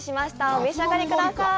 お召し上がりください。